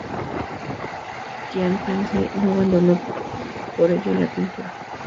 Quaintance no abandonó por ello la pintura.